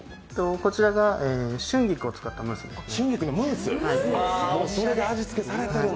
こちらが春菊を使ったムースです。